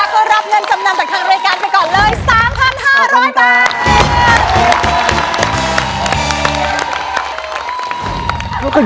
แปลก่อนเลยสามพันห้าร้อยบาท